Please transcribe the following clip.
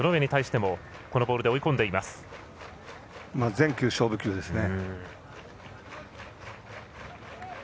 全球勝負球ですね。